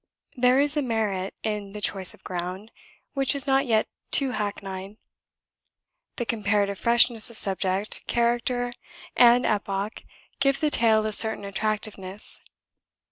There is a merit in the choice of ground, which is not yet too hackneyed; the comparative freshness of subject, character, and epoch give the tale a certain attractiveness.